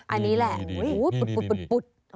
อันนี้แหละอุ๊ยปุด